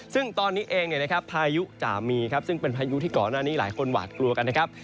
ซึ่งตอนนี้เองพายุจะมีครับซึ่งเป็นพายุที่ก่อนหน้านี้หลายคนหวาดกลัวกันนะครับ